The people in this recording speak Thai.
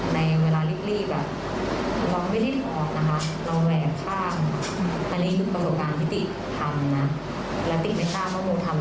ในเวลารีบเพราะว่าเขาไม่ได้ถอดนะครับ